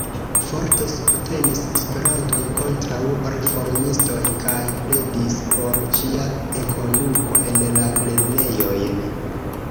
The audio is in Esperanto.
Forte subtenis Esperanton kontraŭ reformistoj kaj pledis por ĝia enkonduko en la lernejojn.